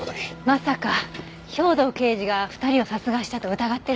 まさか兵藤刑事が２人を殺害したと疑ってるの？